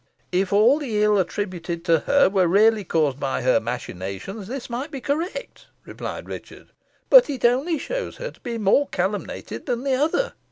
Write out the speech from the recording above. "If all the ill attributed to her were really caused by her machinations, this might be correct," replied Richard, "but it only shows her to be more calumniated than the other.